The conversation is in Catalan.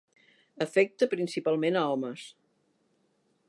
Afecta principalment a homes.